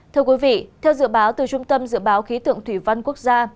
thưa quý vị theo dự báo từ trung tâm dự báo khí tượng thủy văn quốc gia